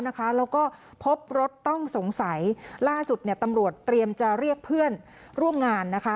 แล้วก็พบรถต้องสงสัยล่าสุดตำรวจเตรียมจะเรียกเพื่อนร่วมงานนะคะ